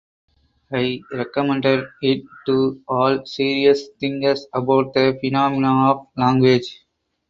I recommend it to all serious thinkers about the phenomena of language.